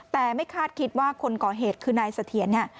แต่ไม่คาดคิดว่าคนก่อเหตุคือนายเสถียรเนี่ย